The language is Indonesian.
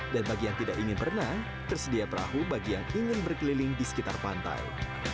dan bagi yang tidak ingin berenang tersedia perahu bagi yang ingin berkeliling di sekitar pantai